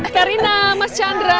karina mas chandra